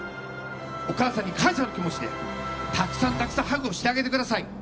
お母さんに感謝の気持ちでたくさん、たくさんハグをしてあげてください。